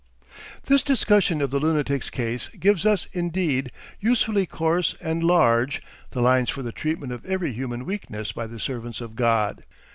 This discussion of the lunatic's case gives us indeed, usefully coarse and large, the lines for the treatment of every human weakness by the servants of God.